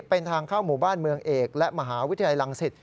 เป็นทางเข้าหมู่บ้านเมืองเอกและมหาวิทยาลัยลังศิษย